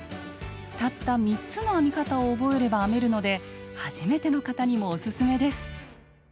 たった３つの編み方を覚えれば編めるので初めての方にもおすすめです。